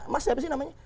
mas siapa sih namanya